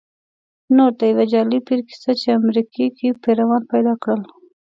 نوټ: د یو جعلې پیر کیسه چې امریکې کې پیروان پیدا کړل